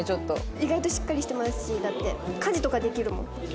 意外としっかりしてますしだって家事とかできるもん。